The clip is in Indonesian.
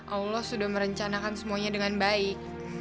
allah sudah merencanakan semuanya dengan baik